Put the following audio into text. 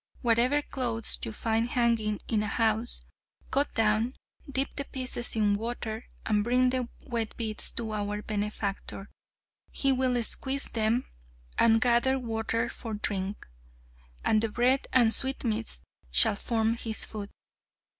Whatever clothes you find hanging in a house, cut down, dip the pieces in water, and bring the wet bits to our benefactor. He will squeeze them and gather water for drink! and the bread and sweetmeats shall form his food."